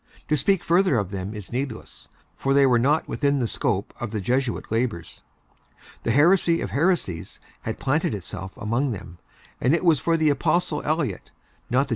To speak further of them is needless, for they were not within the scope of the Jesuit labors. The heresy of heresies had planted itself among them; and it was for the apostle Eliot, not the Jesuit, to essay their conversion.